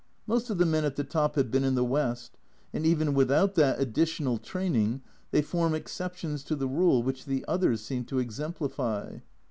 Most of the men at the top have been in the West, and even without that additional training they form exceptions to the rule which the others seem to exemplify.